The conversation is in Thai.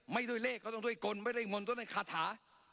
ไม่ด้วยเลขไม่ด้วยกลไม่ด้วยมนตร์ไม่ด้วยคาถา